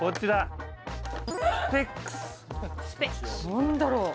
何だろう